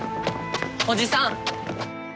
おじさん！